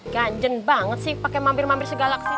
ganjen banget sih pakai mampir mampir segala kesini